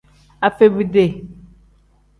Afebiiti.